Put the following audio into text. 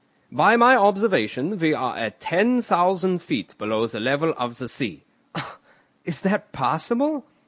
"By my observation we are at 10,000 feet below the level of the sea." "Is that possible?"